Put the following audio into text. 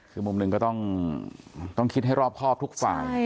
คือมุมหนึ่งก็ต้องคิดให้รอบครอบทุกฝ่าย